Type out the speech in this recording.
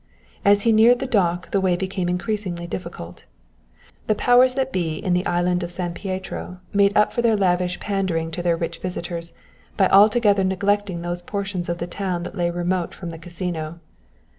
As he neared the dock the way became increasingly difficult. The Powers that Be in the Island of San Pietro made up for their lavish pandering to their rich visitors by altogether neglecting those portions of the town that lay remote from the Casino.